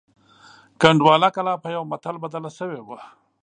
کنډواله کلا په یوه متل بدله شوې وه.